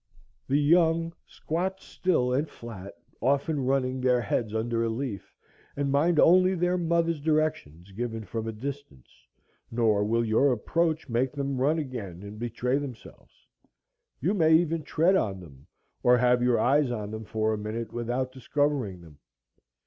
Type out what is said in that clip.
The young squat still and flat, often running their heads under a leaf, and mind only their mother's directions given from a distance, nor will your approach make them run again and betray themselves. You may even tread on them, or have your eyes on them for a minute, without discovering them.